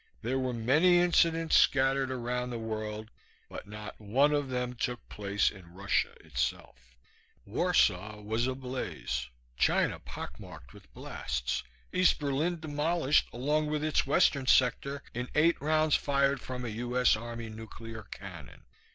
There were many incidents scattered around the world, but not one of them took place in Russia itself. Warsaw was ablaze, China pockmarked with blasts, East Berlin demolished along with its western sector, in eight rounds fired from a U.S. Army nuclear cannon.